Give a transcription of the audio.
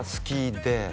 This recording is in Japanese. で